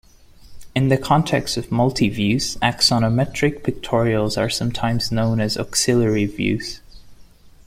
In the context of multiviews, axonometric pictorials are sometimes known as "auxiliary views".